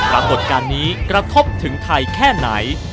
ปรากฏการณ์นี้กระทบถึงไทยแค่ไหน